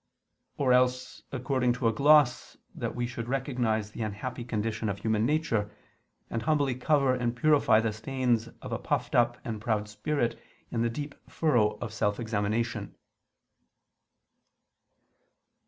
Or else according to a gloss, that we should recognize the unhappy condition of human nature, and humbly cover and purify the stains of a puffed up and proud spirit in the deep furrow of self examination.